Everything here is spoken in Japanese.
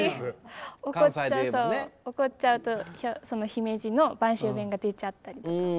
怒っちゃうとその姫路の播州弁が出ちゃったりとか。